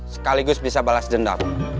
sekaligus bisa balas dendam